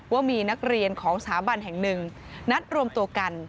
ว่ามีนักเรียนของสถาบันแห่งหนึ่งนัดรวมตัวกัน